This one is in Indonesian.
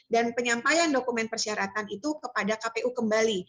dan penyampaian dokumen persyaratan itu kepada kpu kembali